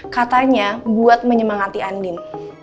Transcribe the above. katanya buat menyemangati andin